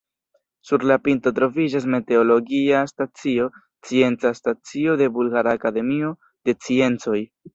Sur la pinto troviĝas meteologia stacio, scienca stacio de Bulgara Akademio de Sciencoj.